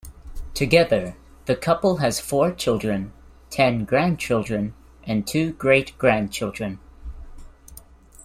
Together, the couple has four children, ten grandchildren and two great-grandchildren.